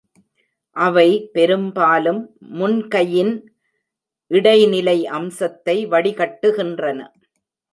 அவை பெரும்பாலும் முன்கையின் இடைநிலை அம்சத்தை வடிகட்டுகின்றன.